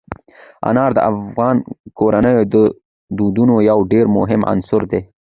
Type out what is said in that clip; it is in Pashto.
انار د افغان کورنیو د دودونو یو ډېر مهم عنصر دی.